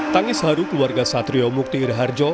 tangis haru keluarga satrio mukti raharjo